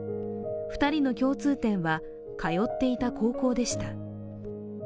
２人の共通点は通っていた高校でした。